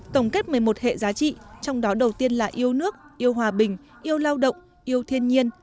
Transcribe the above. tổng kết một mươi một hệ giá trị trong đó đầu tiên là yêu nước yêu hòa bình yêu lao động yêu thiên nhiên